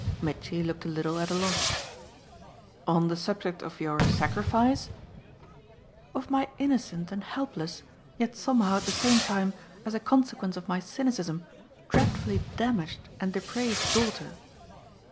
Mitchy looked a little at a loss. "On the subject of your sacrifice " "Of my innocent and helpless, yet somehow at the same time, as a consequence of my cynicism, dreadfully damaged and depraved daughter."